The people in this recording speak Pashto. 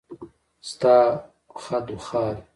ستا خدوخال